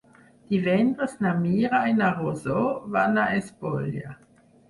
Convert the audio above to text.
Divendres na Mira i na Rosó van a Espolla.